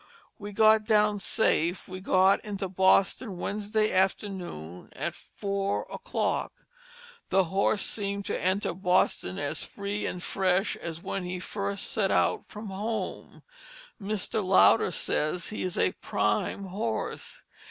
We got down safe we got into Boston Wednesday afternoon at four o Clock. The Horse seem'd to enter Boston as free & fresh as when he first set out from home. Mr. Lowder says he is a prime horse.